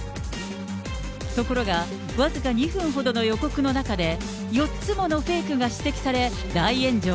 ところが、僅か２分ほどの予告の中で、４つものフェイクが指摘され、大炎上。